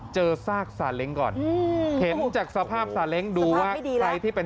ซากซาเล้งก่อนเห็นจากสภาพซาเล้งดูว่าใครที่เป็น